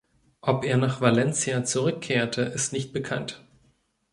Ob er nach Valencia zurückkehrte, ist nicht bekannt.